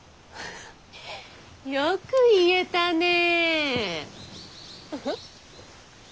よく言えたね。